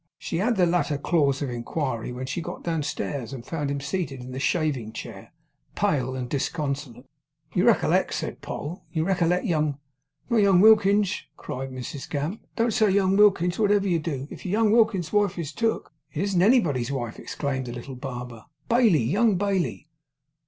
She added the latter clause of inquiry, when she got downstairs, and found him seated in the shaving chair, pale and disconsolate. 'You recollect,' said Poll. 'You recollect young ' 'Not young Wilkins!' cried Mrs Gamp. 'Don't say young Wilkins, wotever you do. If young Wilkins's wife is took ' 'It isn't anybody's wife,' exclaimed the little barber. 'Bailey, young Bailey!